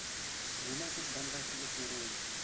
Нимә тип бында килеп йөрөйөм.